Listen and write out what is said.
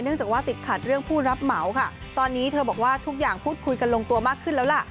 จากว่าติดขัดเรื่องผู้รับเหมาค่ะตอนนี้เธอบอกว่าทุกอย่างพูดคุยกันลงตัวมากขึ้นแล้วล่ะ